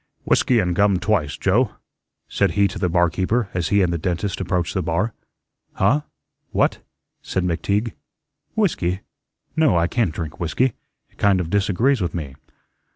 "Whiskey and gum twice, Joe," said he to the barkeeper as he and the dentist approached the bar. "Huh? What?" said McTeague. "Whiskey? No, I can't drink whiskey. It kind of disagrees with me."